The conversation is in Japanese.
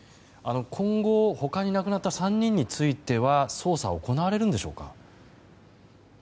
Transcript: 今後、他に亡くなった３人については捜査は行われるんでしょうか？